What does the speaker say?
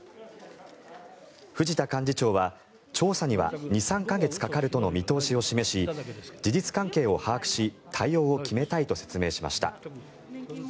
藤田幹事長は、調査には２３か月かかるとの見通しを示し事実関係を把握し対応を決めたいと説明しました。